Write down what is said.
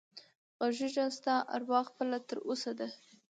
غږېږه ستا اروا خپله تر اوسه ده